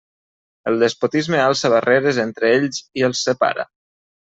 El despotisme alça barreres entre ells i els separa.